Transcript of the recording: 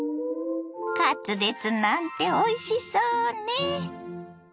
カツレツなんておいしそうね。